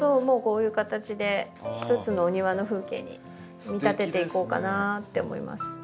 もうこういう形で一つのお庭の風景に見立てていこうかなって思います。